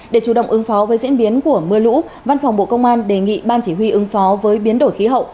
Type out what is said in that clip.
để chủ động ứng phó với diễn biến của mưa lũ văn phòng bộ công an đề nghị ban chỉ huy ứng phó với biến đổi khí hậu